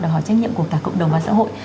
đòi hỏi trách nhiệm của cả cộng đồng và xã hội